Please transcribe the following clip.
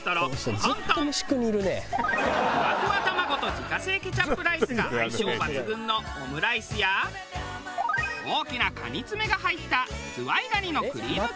フワフワ卵と自家製ケチャップライスが相性抜群のオムライスや大きなカニ爪が入ったズワイガニのクリームコロッケ。